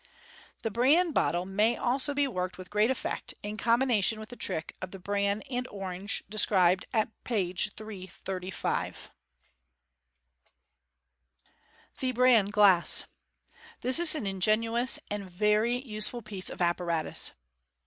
The Bran Bottle may also be worked with great effect in combination with the trick of the " Bran and Orange," described at page $$$. The Bran Glass. — This is an ingenious and very useful piece of apparatus.